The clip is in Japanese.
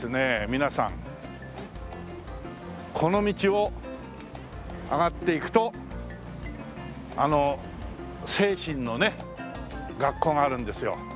皆さんこの道を上がっていくとあの聖心のね学校があるんですよ。